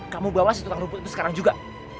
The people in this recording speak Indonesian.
kamu bawa se tukang rumput itu sekarang juga